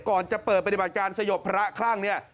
ก่อนจะเปิดปฏิบัติการสยบพระคลั่งเนี่ย